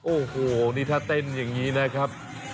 โอ้โหนี่ถ้าเต้นอย่างนี้นะครับ